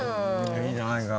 いいじゃないか。